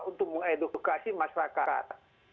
untuk mengedukasi masyarakat